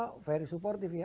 yang menjadi suportif ya